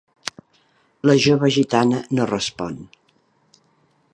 La jove gitana no respon.